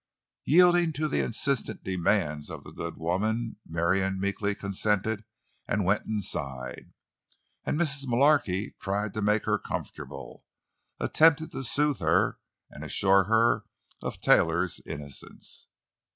Yielding to the insistent demands of the good woman, Marion meekly consented and went inside. And Mrs. Mullarky tried to make her comfortable, and attempted to soothe her and assure her of Taylor's innocence.